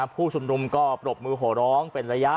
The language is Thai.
ผู้ชุมนุมก็ปรบมือโหร้องเป็นระยะ